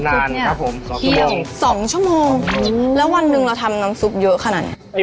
นานครับต้มน้ำซุปนี่๒ชั่วโมงแล้ววันหนึ่งเราทำน้ำซุปเยอะขนาดนี้